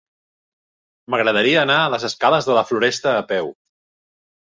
M'agradaria anar a les escales de la Floresta a peu.